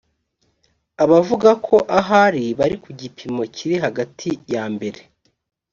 abavuga ko ahari bari ku gipimo kiri hagati ya mbere